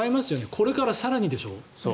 これから更にでしょ？